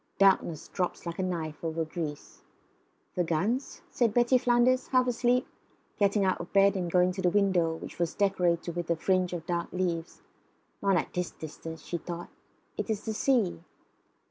Darkness drops like a knife over Greece. "The guns?" said Betty Flanders, half asleep, getting out of bed and going to the window, which was decorated with a fringe of dark leaves. "Not at this distance," she thought. "It is the sea."